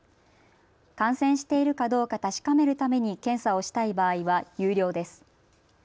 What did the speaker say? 感染しているかどうか確かめるために検査をしたい場合は有料です。